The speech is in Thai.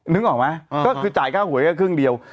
นึกออกไหมก็คือจ่ายค่าหวยแค่ครึ่งเดียว